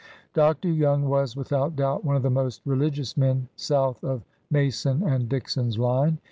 Dr. Young was, without doubt, one of the most reli gious men south of ''Mason and Dixon's line."